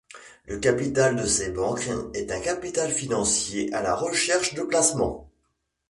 Le capital de ces banques est un capital financier à la recherche de placement.